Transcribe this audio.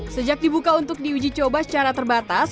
sejak dibuka untuk diuji coba secara terbatas